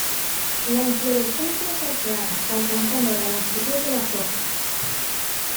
La inflorescencia es arqueada, alcanzando la longitud de las hojas.